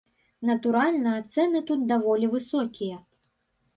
Натуральна, цэны тут даволі высокія.